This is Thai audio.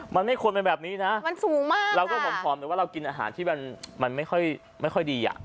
มันไม่ควรเป็นแบบนี้นะมันสูงมากเราก็ผอมหรือว่าเรากินอาหารที่มันไม่ค่อยไม่ค่อยดีอ่ะ